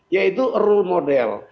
yaitu rule model